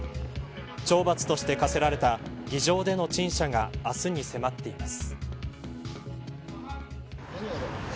懲罰として科せられた議場での陳謝が明日に迫っています。